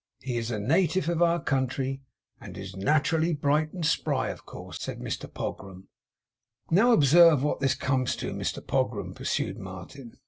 'He is a na tive of our country, and is nat'rally bright and spry, of course,' said Mr Pogram. 'Now, observe what this comes to, Mr Pogram,' pursued Martin.